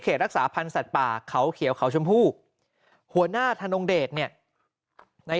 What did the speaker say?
รักษาพันธ์สัตว์ป่าเขาเขียวเขาชมพู่หัวหน้าธนงเดชเนี่ยใน